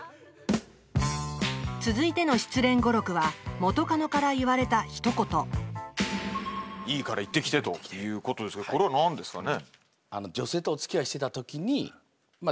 続いての失恋語録は元カノから言われたひと言「いいから行ってきて！」ということですけどこれは何ですかね？